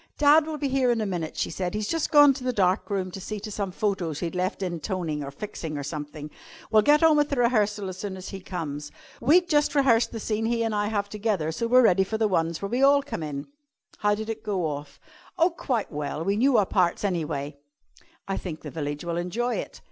"Dad will be here in a minute," she said. "He's just gone to the dark room to see to some photos he'd left in toning or fixing, or something. We'll get on with the rehearsal as soon as he comes. We'd just rehearsed the scene he and I have together, so we're ready for the ones where we all come in." "How did it go off?" "Oh, quite well. We knew our parts, anyway." "I think the village will enjoy it."